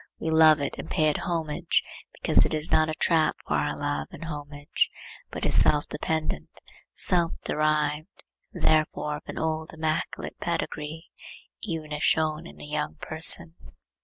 We love it and pay it homage because it is not a trap for our love and homage, but is self dependent, self derived, and therefore of an old immaculate pedigree, even if shown in a young person.